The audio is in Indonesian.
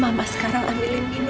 mama sekarang ambil minum buat kamu